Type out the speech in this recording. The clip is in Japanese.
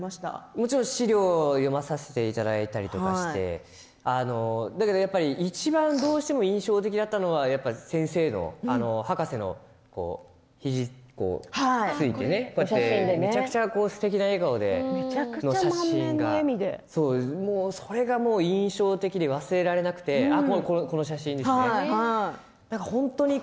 もちろん資料を読まさせていただいたりしていちばん、どうしても印象的だったのは先生の博士の肘をついてめちゃくちゃすてきな笑顔の写真がそれが印象的で、忘れられなくてこの写真ですね。